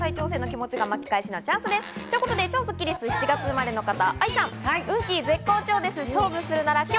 超スッキりす、７月生まれの方、愛さん。